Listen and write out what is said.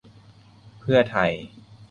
เพื่อไทย